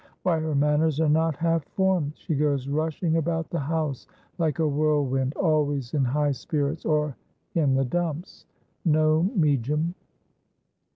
Why, her manners are not half formed. She goes rushing about the house like a whirlwind ; always in high spirits, or in the dumps — no mejum.'